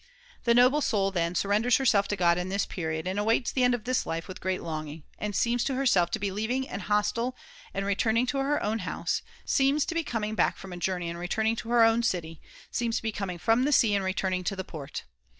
The noble soul then sur renders herself to God in this period, and awaits the end of this life with great longing, and seems to herself to be leaving an hostel and • returning to her own house, seems to be coming back from a journey and returning to her own city, seems to be coming from the sea and returning to the port.